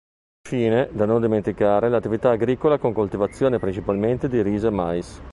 Infine, da non dimenticare, l'attività agricola con coltivazione principalmente di riso e mais.